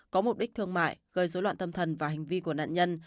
có mục đích thương mại gây dối loạn tâm thần và hành vi của nạn nhân